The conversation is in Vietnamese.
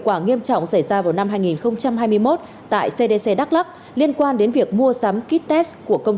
quả nghiêm trọng xảy ra vào năm hai nghìn hai mươi một tại cdc đắk lắc liên quan đến việc mua sắm kites của công